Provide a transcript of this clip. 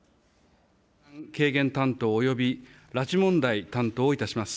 軽減担当および拉致問題担当をいたします。